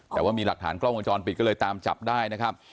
แต่ว่ามีหลักฐานกล้องวงจรปิดก็เลยตามจับได้นะครับ